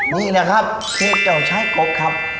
นี่แหละครับคือเจ้าชายกบครับ